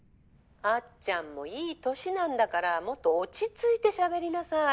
あっちゃんもいい年なんだからもっと落ち着いてしゃべりなさい。